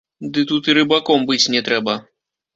Ды тут і рыбаком быць не трэба.